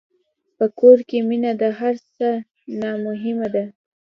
په کور کې مینه د هر څه نه مهمه ده.